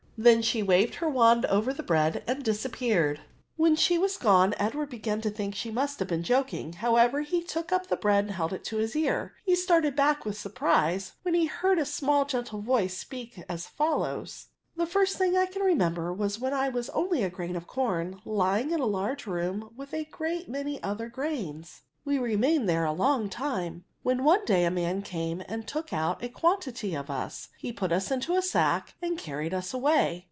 She then waved her wand over the bread and disappeared. When she was gone, Edward began to think she mu5t have been joking ; however, he took up the bread and held it to his ear. He started back with surprise, when he heard a small gentle voice speak as follows :^'^ The first thing I can remember was when I was only a grain of com, lying in a large room, with a great jnany other 106 INTERJECTIONSv graini?. We remained there a long^ time ; wken one day a man came and took out a quantitj of us. He put us into a sack and carried us away.